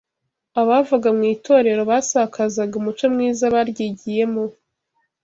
Abavaga mu itorero basakazaga umuco mwiza baryigiyemo